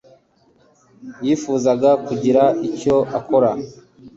yifuzaga kugira icyo akora.